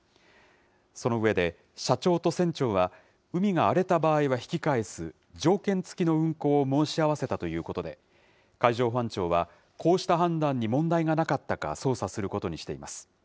その上で、社長と船長は、海が荒れた場合は引き返す条件付きの運航を申し合わせたということで、海上保安庁は、こうした判断に問題がなかったか、捜査することにしています。